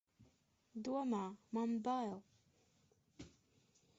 Domā, man bail!